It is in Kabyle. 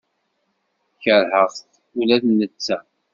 Keṛheɣ-t ula d netta.